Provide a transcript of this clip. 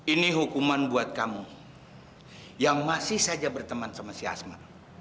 ini hukuman buat kamu yang masih saja berteman sama si asma